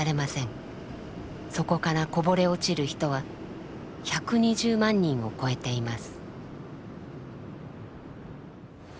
そこからこぼれ落ちる人は１２０万人を超えています。